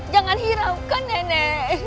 jangan hiraukan nenek